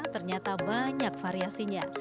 ternyata banyak variasinya